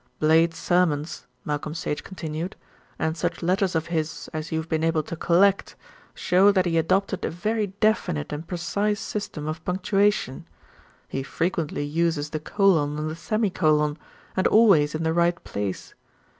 "Blade's sermons," Malcolm Sage continued, "and such letters of his as you have been able to collect, show that he adopted a very definite and precise system of punctuation. He frequently uses the colon and the semicolon, and always in the right place.